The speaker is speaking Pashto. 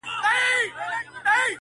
نن به ریږدي د فرنګ د زوی ورنونه-